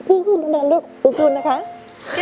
โอเคนะลูกแก่งนะคะลูก